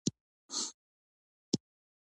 شېخ ملي د پښتنو يو مشهور لار ښود وو.